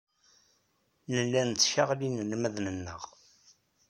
Nella nettcaɣli inelmaden-nneɣ.